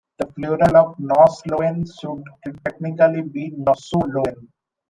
The plural of Nos Lowen should technically be 'Nosow Lowen'.